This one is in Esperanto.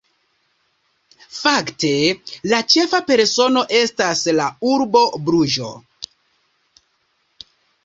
Fakte, la ĉefa persono estas la urbo Bruĝo.